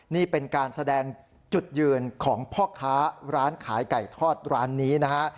นี่เป็นการแสดงจุดยืนของพ่อค้าร้านขายไก่ทอดร้านนี้นะฮะ